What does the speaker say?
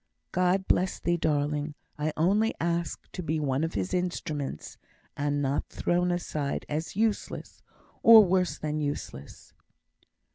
"God bless thee, darling! I only ask to be one of His instruments, and not thrown aside as useless or worse than useless."